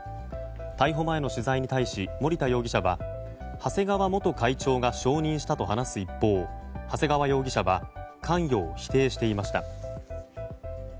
逮捕前の取材に対し森田容疑者は長谷川元会長が承認したと話す一方、長谷川容疑者は関与を否定していました。